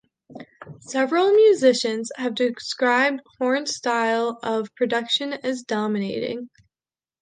Several musicians have described Horn's style of production as dominating.